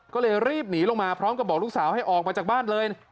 ก็เลยรีบหนีลงมาพร้อมกับบอกลูกสาวให้ออกมาจากบ้านเลย